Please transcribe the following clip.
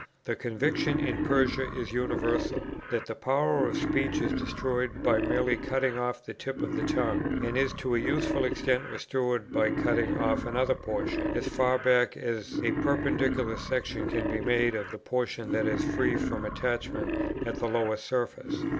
The conviction in Persia is universal, that the power of speech is destroyed by merely cutting off the tip of the tongue; and is to a useful extent restored by cutting off another portion as far back as a perpendicular section can be made of the portion that is free from attachment at the lower surface....